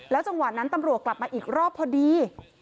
จังหวะนั้นตำรวจกลับมาอีกรอบพอดี